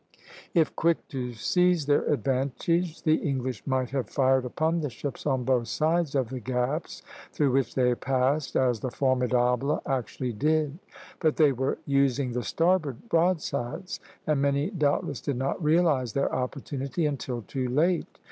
If quick to seize their advantage, the English might have fired upon the ships on both sides of the gaps through which they passed, as the "Formidable" actually did; but they were using the starboard broadsides, and many doubtless did not realize their opportunity until too late.